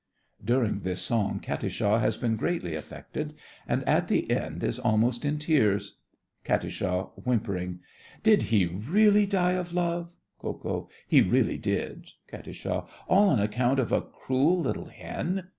(During this song Katisha has been greatly affected, and at the end is almost in tears.) KAT. (whimpering). Did he really die of love? KO. He really did. KAT. All on account of a cruel little hen?